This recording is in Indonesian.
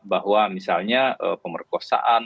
bahwa misalnya pemerkosaan